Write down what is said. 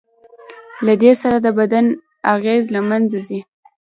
له دې سره د بدۍ اغېز له منځه ځي.